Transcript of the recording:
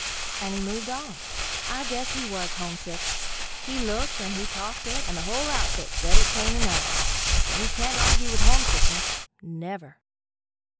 and he moved on. I guess he was homesick. He looked, and he talked it and the whole outfit said it plain enough. You can't argue with homesickness never.